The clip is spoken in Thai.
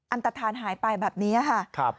อันตฐานหายไปแบบนี้ค่ะ